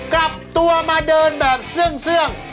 กลับตัวมาเดินแบบเสื้อง